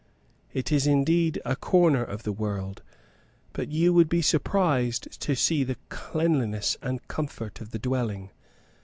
It is indeed a corner of the world, but you would be surprised to see the cleanliness and comfort of the dwelling.